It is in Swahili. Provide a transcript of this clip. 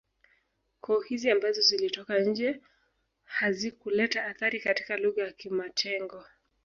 Koo hizi ambazo zilitoka nje hazikuleta athari katika lugha ya kimatengo